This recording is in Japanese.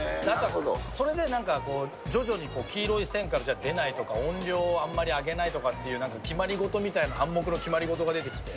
それで、なんか徐々に黄色い線から出ないとか、音量をあんまり上げないとかっていう、決まりごとみたいな、暗黙の決まりごとみたいなのが出てきて。